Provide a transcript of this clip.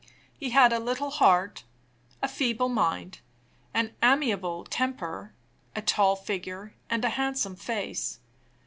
He had a little heart, a feeble mind, an amiable temper, a tall figure, and a handsome face.